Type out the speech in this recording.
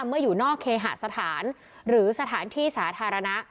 เมื่ออยู่นอกเคหาสถานหรือสถานที่สาธารณะ